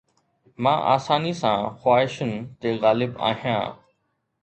مان آساني سان خواهشن تي غالب آهيان